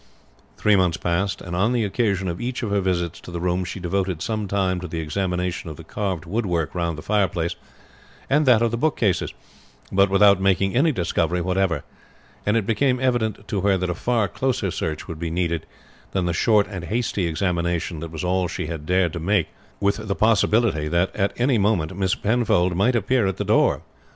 Three months passed, and on the occasion of each of her visits to the room she devoted some time to the examination of the carved woodwork round the fireplace and that of the bookcases, but without making any discovery whatever; and it became evident to her that a far closer search would be needed than the short and hasty examination that was all she dared to make, with the possibility that at any moment Miss Penfold might appear at the door.